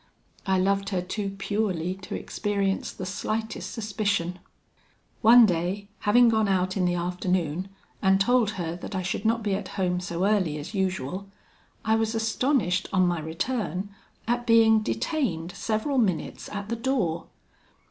I loved her too purely to experience the slightest suspicion. "One day, having gone out in the afternoon, and told her that I should not be at home so early as usual, I was astonished, on my return, at being detained several minutes at the door.